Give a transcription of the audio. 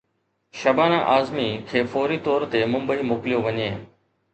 شبانه اعظمي کي فوري طور تي ممبئي موڪليو وڃي